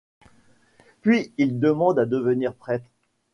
Puis il demande à devenir prêtre.